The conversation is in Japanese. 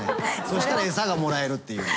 そしたら餌がもらえるっていう。